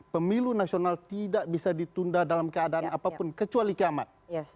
pemilu nasional tidak bisa ditunda dalam keadaan apapun kecuali kiamat